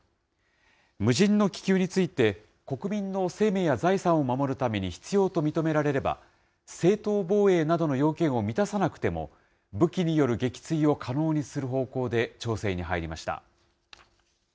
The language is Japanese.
無人の気球について国民の生命や財産を守るために必要と認められれば、正当防衛などの要件を満たさなくても武器による撃墜を可能にする方向で調整に入りました。